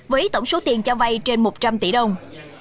với tổng số tiền cho vay trên một trăm linh tỷ đồng